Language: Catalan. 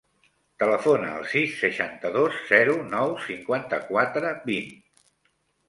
Telefona al sis, seixanta-dos, zero, nou, cinquanta-quatre, vint.